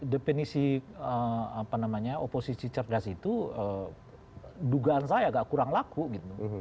definisi oposisi cerdas itu dugaan saya agak kurang laku gitu